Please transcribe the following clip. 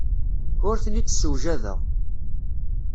Ur ten-id-ssewjadeɣ.